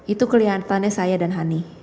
itu kelihatannya saya dan hani